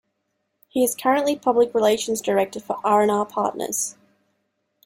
He is currently Public Relations Director for R and R Partners.